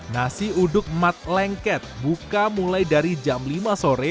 nasi uduk mat lengket buka mulai dari jam lima sore